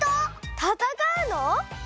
たたかうの！？